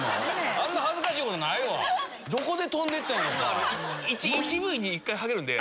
あんな恥ずかしいことないわどこで飛んでったんやろか。